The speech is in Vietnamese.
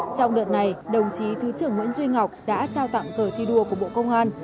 trong đợt này đồng chí thứ trưởng nguyễn duy ngọc đã trao tặng cờ thi đua của bộ công an